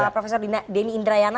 profesor deni indrayana